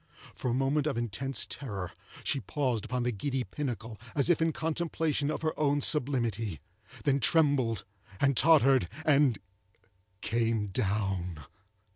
For a moment of intense terror she paused upon the giddy pinnacle, as if in contemplation of her own sublimity, then trembled and tottered, and—came down.